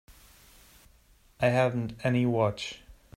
I haven't any watch.